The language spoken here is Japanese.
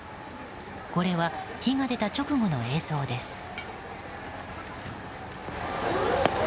これは火が出た直後の映像です。